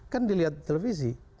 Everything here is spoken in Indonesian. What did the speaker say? kan dilihat televisi